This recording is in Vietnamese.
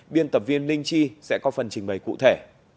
biên tập viên linh chi sẽ có phần trình bày cụ thể